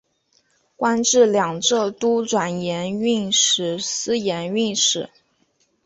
官至两浙都转盐运使司盐运使。